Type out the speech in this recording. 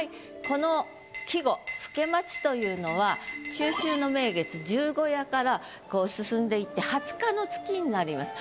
この季語「更待」というのは中秋の名月十五夜からこう進んでいって２０日の月になります。